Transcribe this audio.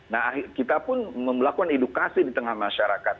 nah kita pun melakukan edukasi di tengah masyarakat